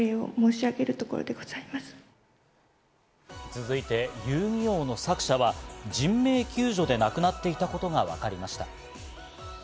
続いて『遊☆戯☆王』の作者は人命救助で亡くなっていたことがわかりました。